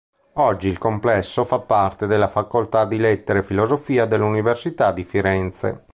Oggi il complesso fa parte della Facoltà di Lettere e Filosofia dell'Università di Firenze.